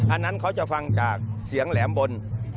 อันนั้นเขาจะฟังจากเสียงแหลมบน